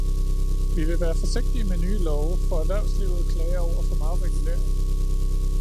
Vi vil være forsigtige med nye love, for erhvervslivet klager over for meget regulering.